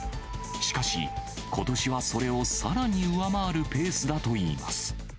しかし、ことしはそれをさらに上回るペースだといいます。